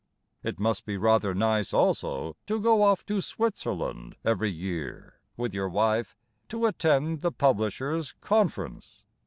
It must be rather nice, also, To go off to Switzerland every year (With your wife) To attend the Publishers' Conference.